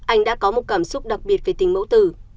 anh đã có một cảm xúc đặc biệt về tình mẫu tử